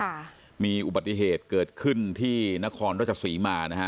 ค่ะมีอุบัติเหตุเกิดขึ้นที่นครราชสีมานะฮะ